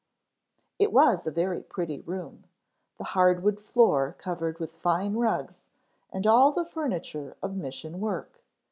It was a very pretty room, the hardwood floor covered with fine rugs and all the furniture of mission work.